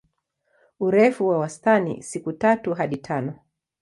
Urefu wa wastani siku tatu hadi tano.